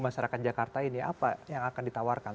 masyarakat jakarta ini apa yang akan ditawarkan